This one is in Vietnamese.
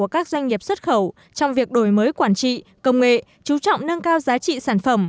các doanh nghiệp xuất khẩu trong việc đổi mới quản trị công nghệ chú trọng nâng cao giá trị sản phẩm